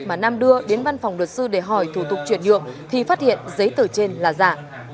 mà nam đưa đến văn phòng luật sư để hỏi thủ tục chuyển nhượng thì phát hiện giấy tử trên là giả